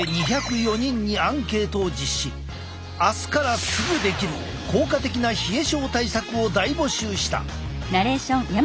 明日からすぐできる効果的な冷え症対策を大募集した。